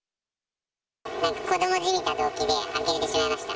子どもじみた動機で、あきれてしまいました。